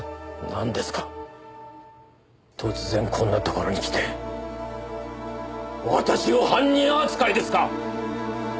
なんですか突然こんなところに来て私を犯人扱いですか！